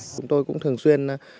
chúng tôi cũng thường xuyên